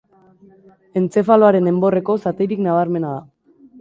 Entzefaloaren enborreko zatirik nabarmenena da.